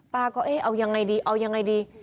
ป้าก็เอ๊ะเอายังไงดีเอายังไงดี